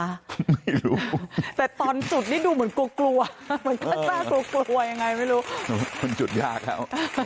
ไม่รู้แต่ตอนจุดนี่ดูเหมือนกลัวกลัวมันก็น่ากลัวกลัวยังไงไม่รู้มันจุดยากแล้ว